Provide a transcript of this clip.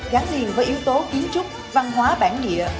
gắn liền với yếu tố kiến trúc văn hóa bản địa